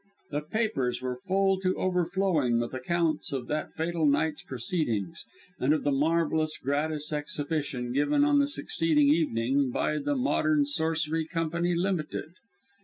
The papers were full to overflowing with accounts of that fatal night's proceedings, and of the marvellous gratis exhibition given on the succeeding evening by the Modern Sorcery Company Ltd.